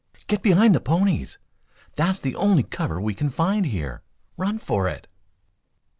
"Get behind the ponies! That's the only cover we can find here. Run for it!"